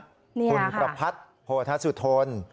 คุณประพัทธ์โพธสุทน